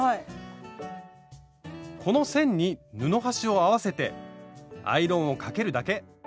この線に布端を合わせてアイロンをかけるだけ。